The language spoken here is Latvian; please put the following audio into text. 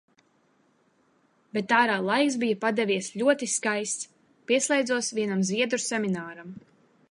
Bet ārā laiks bija padevies ļoti skaists. Pieslēdzos vienam zviedru semināram.